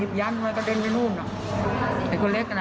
บอกคุณบอร์ดขอชกหน่อย